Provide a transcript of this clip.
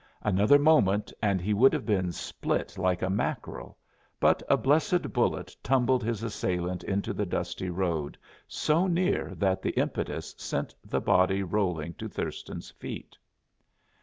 Another moment and he would have been split like a mackerel, but a blessed bullet tumbled his assailant into the dusty road so near that the impetus sent the body rolling to Thurston's feet.